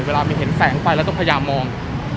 เวลามีเห็นแสงไฟแล้วต้องพยายามมอง